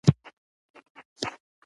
ږغ یې مجبور کړ چې ږیره پریږدي